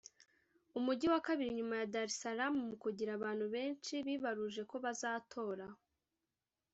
umujyi wa kabiri nyuma ya Dar es Salaam mu kugira abantu benshi bibaruje ko bazatora